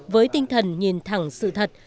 với tinh thần nhìn thẳng sự thật